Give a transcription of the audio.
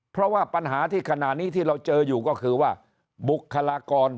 เพราะว่าปัญหาที่ขณะนี้ที่เราเจออยู่ก็คือว่าบุคลากร